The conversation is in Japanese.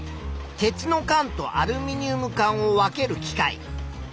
鉄の缶とアルミニウム缶を分ける機械。